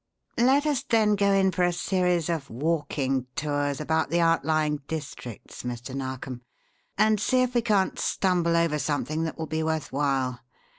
"Let us then go in for a series of 'walking tours' about the outlying districts, Mr. Narkom, and see if we can't stumble over something that will be worth while.